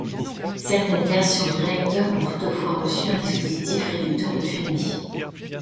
Certaines versions du réacteur ont toutefois reçu un dispositif réducteur de fumées.